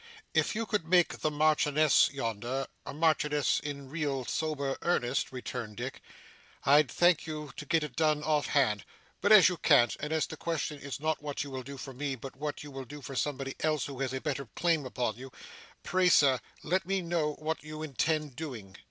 'If you could make the Marchioness yonder, a Marchioness, in real, sober earnest,' returned Dick, 'I'd thank you to get it done off hand. But as you can't, and as the question is not what you will do for me, but what you will do for somebody else who has a better claim upon you, pray sir let me know what you intend doing.